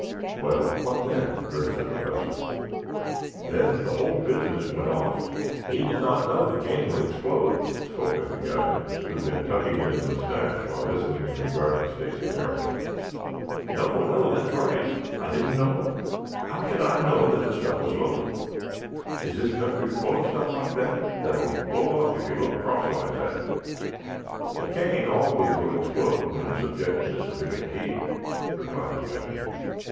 "Well, what then?" urged the Professor. "Then the whole business went off." "He did not know the cane would explode," spoke up the guide, who had been tugging at his moustache while listening and regarding Stacy narrowly. "No, no, that's right; I didn't know. How should I know that the stuff was loaded? Is this country full of stuff like that that will blow up if you look crosswise at it?" "The cane always will explode when subjected to sufficient heat," replied the guide.